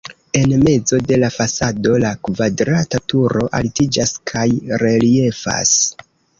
En mezo de la fasado la kvadrata turo altiĝas kaj reliefas.